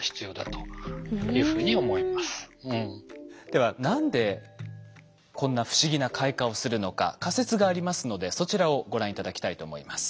では何でこんな不思議な開花をするのか仮説がありますのでそちらをご覧頂きたいと思います。